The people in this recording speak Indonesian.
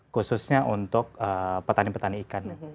khususnya untuk petani petani ikan